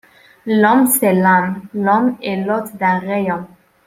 L’homme, c’est l’âme ; l’homme est l’hôte d’un rayon